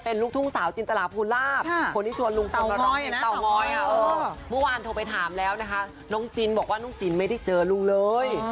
น้องจินบอกว่าน้องจินยังไม่ได้เจอลูกเลย